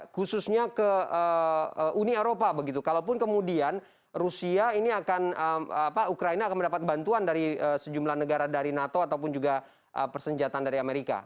khususnya ke uni eropa begitu kalaupun kemudian rusia ini akan ukraina akan mendapat bantuan dari sejumlah negara dari nato ataupun juga persenjataan dari amerika